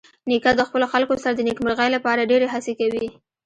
نیکه د خپلو خلکو سره د نیکمرغۍ لپاره ډېرې هڅې کوي.